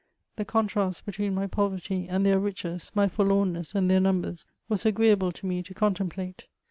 The contrast between my poverty and thdor riches, my fbrlornness and their numbers, was agreeable to me to contemplate.